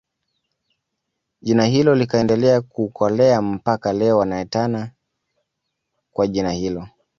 Jina hilo likaendelea kukolea mpaka leo wanaitwa kwa jina hilo